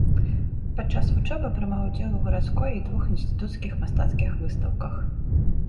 Падчас вучобы прымаў удзел у гарадской і двух інстытуцкіх мастацкіх выстаўках.